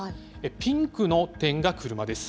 ピンクの点が車です。